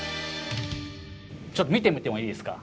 ちょっと見てみてもいいですか？